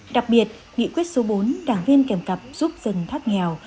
đặc biệt nghị quyết số bốn đảng viên kèm cặp giúp dân thoát nghèo